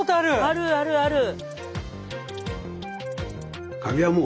あるあるある！